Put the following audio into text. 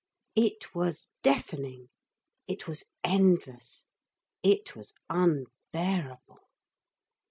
It was deafening, it was endless, it was unbearable.